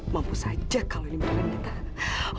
mampus saja kalau ini benar benar tahan